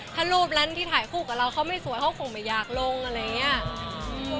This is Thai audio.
ถ้ารูปนั้นที่ถ่ายคู่กับเราเขาไม่สวยเขาคงไม่อยากลงอะไรอย่างนี้